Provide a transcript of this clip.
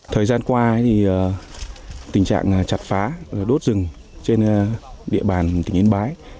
thời gian qua tình trạng chặt phá đốt rừng trên địa bàn tỉnh yên bái